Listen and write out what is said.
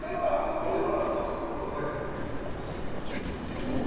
これは買ったことないなみたいな。